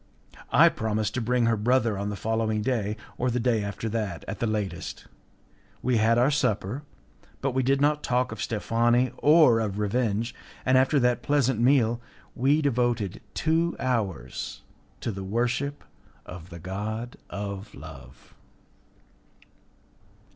I promised to bring her brother on the following day, or the day after that at the latest. We had our supper, but we did not talk of Steffani, or of revenge, and after that pleasant meal we devoted two hours to the worship of the god of love.